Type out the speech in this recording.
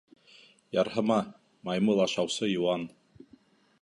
Ярһыма, маймыл ашаусы йыуан!